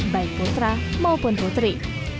baik putra maupun putri